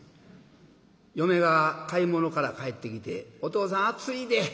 嫁が買い物から帰ってきて「おとうさん暑いで。